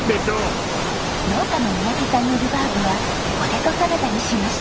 農家の三宅さんのルバーブはポテトサラダにしました。